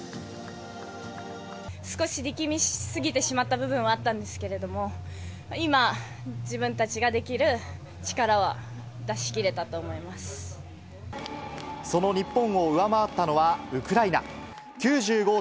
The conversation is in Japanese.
少し力み過ぎてしまった部分はあったんですけれども、今、自分たちができる力は、出しきれその日本を上回ったのは、ウクライナ。